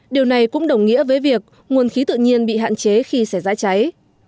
điều này cũng đồng nghĩa với việc nguồn khí tự nhiên bị hạn chế khi sẽ rãi cháy